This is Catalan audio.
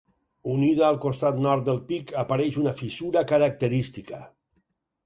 Unida al costat nord del pic apareix una fissura característica.